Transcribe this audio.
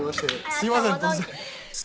すいません突然」